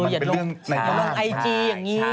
มันเป็นเรื่องไม่กล้องไอจีอย่างนี้